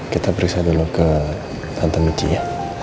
kita periksa dulu ke santan michi ya